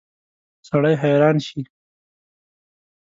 سړی حیران شي.